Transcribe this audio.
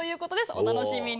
お楽しみに。